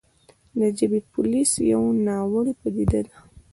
د «ژبې پولیس» يوه ناوړې پديده